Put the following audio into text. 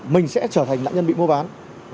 mình sẽ trở thành nạn nhân bị mô bán